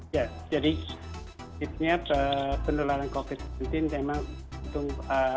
ya jadi penyelidikan penyebaran covid sembilan belas memang untuk